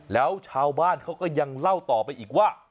แล้วชาวบ้านเขาก็ยังเล่าต่อไปอีกว่า